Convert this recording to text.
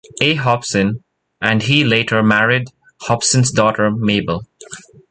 A. Hobson, and he later married Hobson's daughter Mabel.